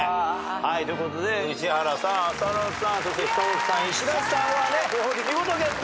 ということで宇治原さん浅野さんそして久本さん石田さんはねご褒美見事ゲット。